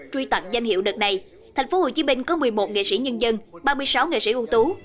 truy tặng danh hiệu đợt này tp hcm có một mươi một nghệ sĩ nhân dân ba mươi sáu nghệ sĩ ưu tú